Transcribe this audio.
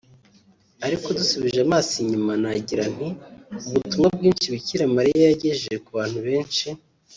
Aliko dusubije amaso inyuma nagira nti " mu butumwa bwinshi Bikira Mariya yagejeje ku bantu benshi